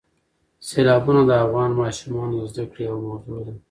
سیلابونه د افغان ماشومانو د زده کړې یوه موضوع ده.